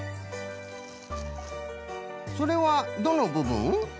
それはどのぶぶん？